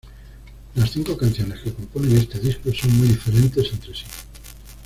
Las cinco canciones que componen este disco son muy diferentes entre sí.